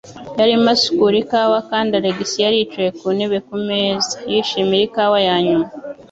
Yarimo asukura ikawa kandi Alex yari yicaye ku ntebe ku meza, yishimira ikawa ya nyuma.